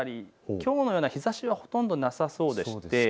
きょうのような日ざしはほとんどなさそうでして